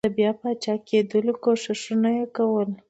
د بیا پاچاکېدلو کوښښونه یې کول.